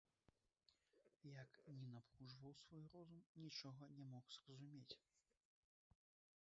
Як ні напружваў свой розум, нічога не мог зразумець.